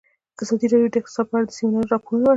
ازادي راډیو د اقتصاد په اړه د سیمینارونو راپورونه ورکړي.